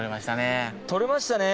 捕れましたね。